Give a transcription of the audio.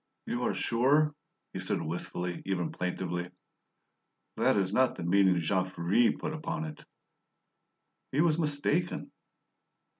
"You are sure?" he said wistfully, even plaintively. "That is not the meaning Jean Ferret put upon it." "He was mistaken."